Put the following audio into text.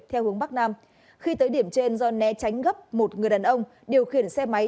theo hướng bắc nam khi tới điểm trên do né tránh gấp một người đàn ông điều khiển xe máy